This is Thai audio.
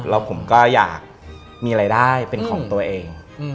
แล้วผมก็อยากมีรายได้เป็นของตัวเอง